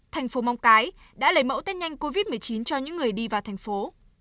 tp mong cái đã lấy mẫu test nhanh covid một mươi chín cho những người đi vào thành phố